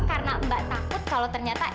karena mbak takut kalau ternyata